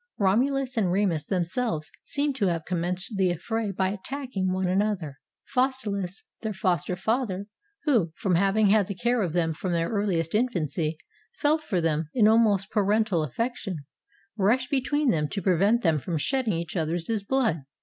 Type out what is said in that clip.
Romulus and Remus themselves seem to have com menced the affray by attacking one another. Faustu lus, their foster father, who, from having had the care of them from their earliest infancy, felt for them an almost parental affection, rushed between them to pre vent them from shedding each other's blood.